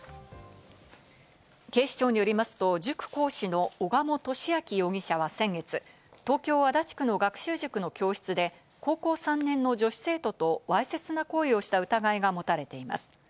警視庁によりますと、塾講師の小鴨俊明容疑者は先月、東京・足立区の学習塾の教室で、高校３年の女子生徒とわいせつな行為をした疑いが持たれています。